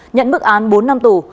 nhận mức án bốn năm tù